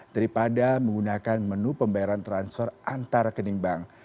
daripada menggunakan menu pembayaran transfer antar rekening bank